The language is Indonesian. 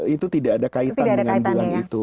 itu tidak ada kaitan dengan bulan itu